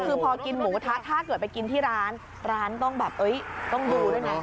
คือพอกินหมูกระทะถ้าเกิดไปกินที่ร้านร้านต้องแบบต้องดูด้วยนะ